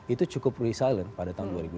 itu cukup resilient pada tahun dua ribu delapan